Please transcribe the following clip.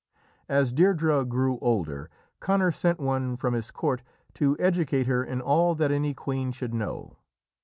As Deirdrê grew older, Conor sent one from his court to educate her in all that any queen should know.